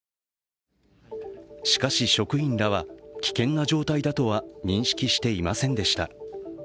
しかし、職員らは危険な状態だとは認識していませんでした。